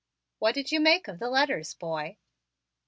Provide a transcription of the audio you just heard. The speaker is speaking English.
"What did you make of the letters, boy?"